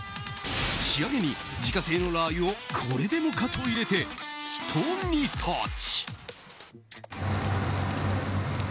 仕上げに自家製のラー油をこれでもかと入れて、ひと煮立ち。